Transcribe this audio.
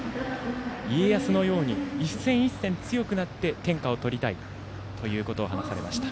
家康のように一戦一戦強くなって天下をとりたいということを話されました。